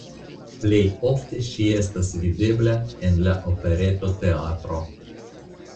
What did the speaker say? Plej ofte ŝi estas videbla en la Operetoteatro.